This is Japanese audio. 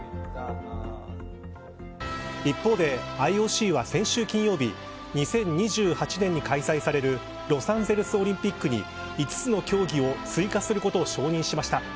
一方で、ＩＯＣは先週金曜日２０２８年に開催されるロサンゼルスオリンピックに５つの競技を追加することを承認しました。